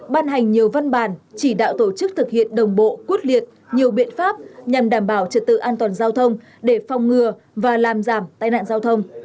ban hành nhiều văn bản chỉ đạo tổ chức thực hiện đồng bộ quyết liệt nhiều biện pháp nhằm đảm bảo trật tự an toàn giao thông để phòng ngừa và làm giảm tai nạn giao thông